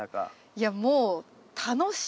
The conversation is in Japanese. いやもう楽しい！